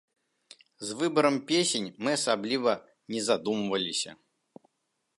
З выбарам песень мы асабліва не задумваліся.